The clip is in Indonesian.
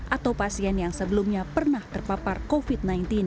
atau pasien yang sebelumnya pernah terpapar covid sembilan belas